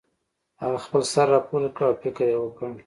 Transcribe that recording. هغه خپل سر راپورته کړ او فکر یې وکړ